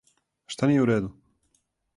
Шта није у реду?